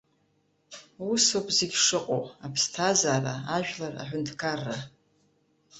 Усоуп зегьы шыҟоу, аԥсҭазаара, ажәлар, аҳәынҭқарра.